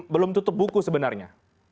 belum tutup buku sebenarnya